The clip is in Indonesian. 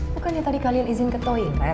bukannya tadi kalian izin ke toi